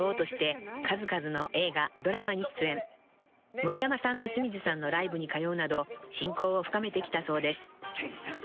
［森山さんと清水さんのライブに通うなど親交を深めてきたそうです］